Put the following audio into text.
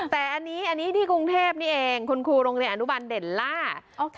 แต่อันนี้ที่กรุงเทพนี่เองคุณครูโรงเรียนอนุบันเด่นล่า